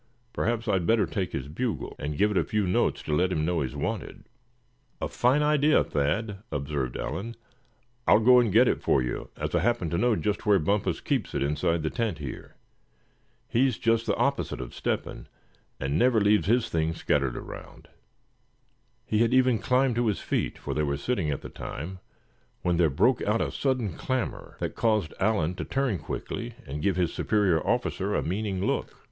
Perhaps I'd better take his bugle, and give a few notes to let him know he's wanted." "A fine idea, Thad," observed Allan; "I'll go and get it for you, as I happen to know just where Bumpus keeps it inside the tent here. He's just the opposite of Step hen, and never leaves his things scattered around." He had even climbed to his feet, for they were sitting at the time, when there broke out a sudden clamor that caused Allan to turn quickly, and give his superior officer a meaning look.